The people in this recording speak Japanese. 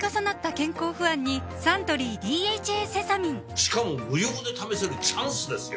しかも無料で試せるチャンスですよ